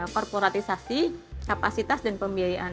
korporatisasi kapasitas dan pembiayaan